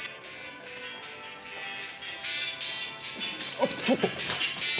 あっちょっと！